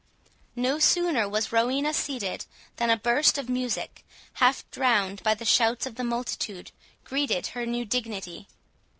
No sooner was Rowena seated, than a burst of music, half drowned by the shouts of the multitude, greeted her new dignity.